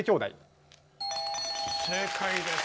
正解です。